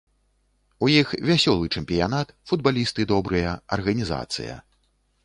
У іх вясёлы чэмпіянат, футбалісты добрыя, арганізацыя.